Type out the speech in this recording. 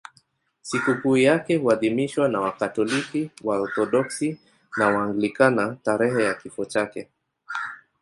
Sikukuu yake huadhimishwa na Wakatoliki, Waorthodoksi na Waanglikana tarehe ya kifo chake.